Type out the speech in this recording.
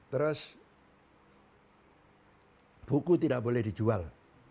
terus buku tidak boleh dijual